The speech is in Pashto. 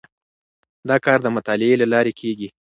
دا کار د مطالعې له لارې کیږي.